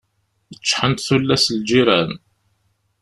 Ččḥent tullas n lǧiran.